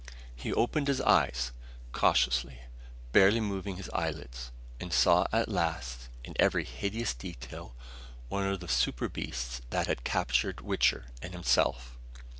He opened his eyes, cautiously, barely moving his eyelids, and saw at last, in every hideous detail, one of the super beasts that had captured Wichter and himself.